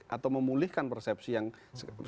atau memulihkan persepsi yang